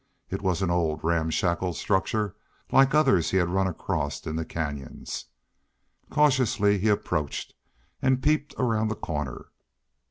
It was an old, ramshackle structure like others he had run across in the canons. Cautiously he approached and peeped around the corner.